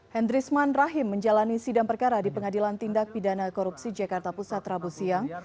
hendrisman rahim menjalani sidang perkara di pengadilan tindak pidana korupsi jakarta pusat rabu siang